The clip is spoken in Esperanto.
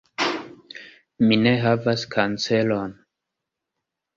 Mi ne havas kanceron.